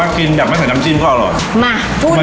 ถ้ากินแบบไม่ใส่น้ำจิ้มก็อร่อย